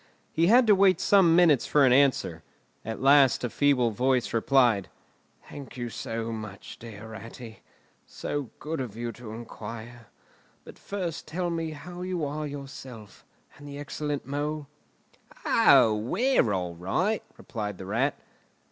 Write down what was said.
He had to wait some minutes for an answer. At last a feeble voice replied, "Thank you so much, dear Ratty! So good of you to inquire! But first tell me how you are yourself, and the excellent Mole?" "O, we're all right," replied the Rat.